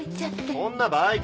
そんな場合か。